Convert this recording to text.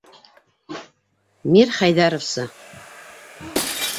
Мир- хәйҙәровсы?